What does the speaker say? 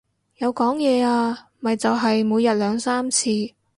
有講嘢啊，咪就係每日兩三次